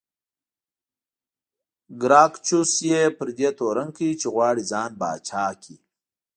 ګراکچوس یې پر دې تورن کړ چې غواړي ځان پاچا کړي